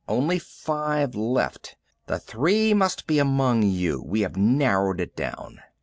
"Only five left. The three must be among you. We have narrowed it down."